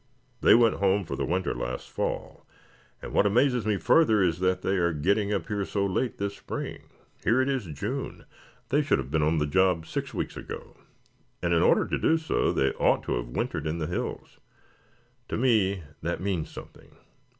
They went home for the winter last fall, and what amazes me further is that they are getting up here so late this spring. Here it is June. They should have been on the job six weeks ago, and in order to do so they ought to have wintered in the hills. To me that means something.